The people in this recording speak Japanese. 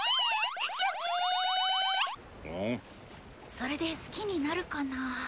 それで好きになるかなぁ？